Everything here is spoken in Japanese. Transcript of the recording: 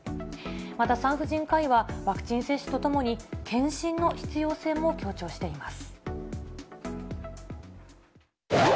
また産婦人科医は、ワクチン接種とともに検診の必要性も強調しています。